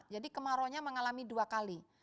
jadi kemarau nya mengalami dua kali